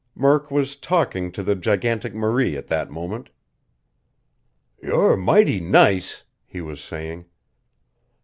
Murk was talking to the gigantic Marie at that moment. "You're mighty nice!" he was saying.